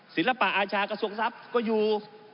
ศิลปะอาชากระทรวงทรัพย์ก็อยู่